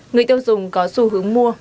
người tiêu dùng có xu hướng mua